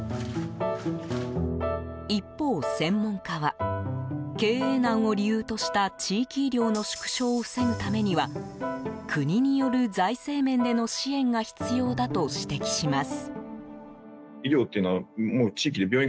一方、専門家は経営難を理由とした地域医療の縮小を防ぐためには国による財政面での支援が必要だと指摘します。